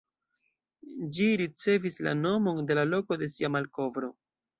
Ĝi ricevis la nomon de la loko de sia malkovro.